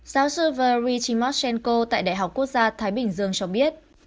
giáo sư valery timoshenko tại đại học quốc gia thái bình dương cho biết